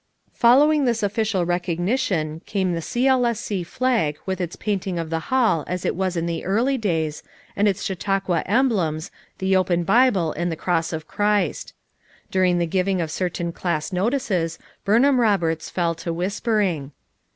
*" Following this official recognition came the C. L. S. C. flag with its painting of the Hall as it was in the early days, and its Chautauqua emblems, the open Bible and the cross of Christ. During the giving of certain class notices Burn ham Eoberts fell to whispering.